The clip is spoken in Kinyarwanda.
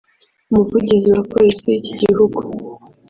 Umuvugizi wa Polisi y’ iki gihugu